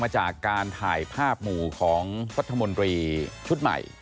มาจากการถ่ายภาพหมู่ของพัฒน๒๐๒๒ยุธทะมนตรีชุดใหม่